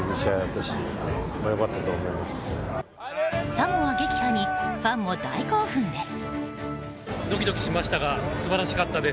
サモア撃破にファンも大興奮です。